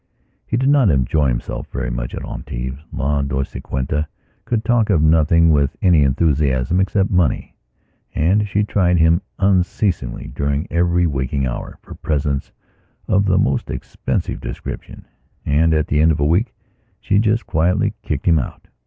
He did not enjoy himself very much at Antibes. La Dolciquita could talk of nothing with any enthusiasm except money, and she tired him unceasingly, during every waking hour, for presents of the most expensive description. And, at the end of a week, she just quietly kicked him out.